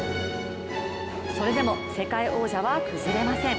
それでも世界王者は崩れません。